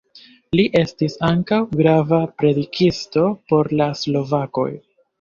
Li estis ankaŭ grava predikisto por la slovakoj.